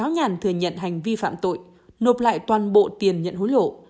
nhận hành vi phạm tội nộp lại toàn bộ tiền nhận hối lộ